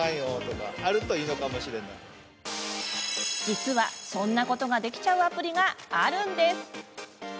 実は、そんなことができちゃうアプリがあるんです。